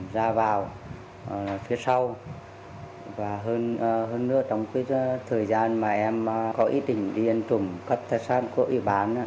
ra vào phía sau và hơn nữa trong cái thời gian mà em có ý tình đi ăn trộm cấp thái sản của y bán